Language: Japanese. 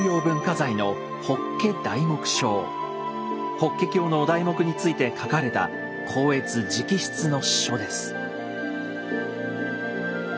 「法華経」のお題目について書かれた光悦直筆の書です。